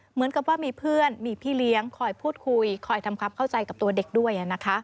เหมือนกับว่ามีเพื่อนมีพี่เลี้ยงคอยพูดคุยคอยทำความเข้าใจกับตัวเด็กด้วย